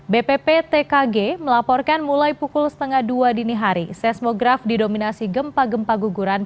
bpptkg melaporkan mulai pukul setengah dua dini hari seismograf didominasi gempa gempa guguran